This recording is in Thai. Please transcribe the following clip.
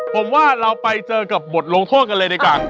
ผมว่าเราไปเจอกับบทลงโทษกันเลยดีกว่า